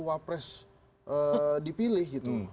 wapres dipilih gitu